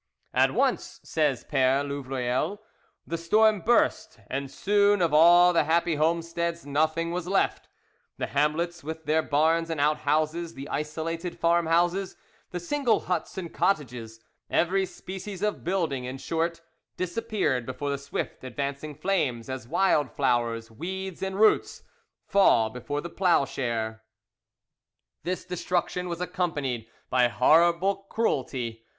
"At once," says Pere Louvreloeil, "the storm burst, and soon of all the happy homesteads nothing was left: the hamlets, with their barns and outhouses, the isolated farmhouses, the single huts and cottages, every species of building in short, disappeared before the swift advancing flames as wild flowers, weeds, and roots fall before the ploughshare." This destruction was accompanied by horrible cruelty.